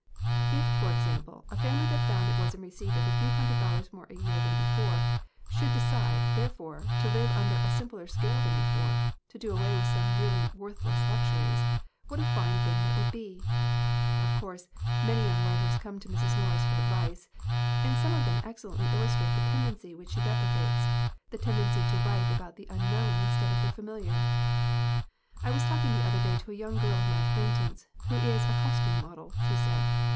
If, for example, a family that found it was in receipt of a few hundred dollars more a year than before should decide, therefore, to live under a simpler scale than before, to do away with some really worthless luxuries, what a fine thing that would be!" Of course many young writers come to Mrs. Norris for advice. And some of them excellently illustrate the tendency which she deprecates, the tendency to write about the unknown instead of the familiar. "I was talking the other day to a young girl of my acquaintance who is a costume model," she said.